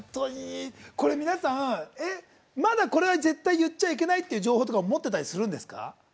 皆さん、まだこれは絶対言っちゃいけないって情報とか持ってたりするんですか？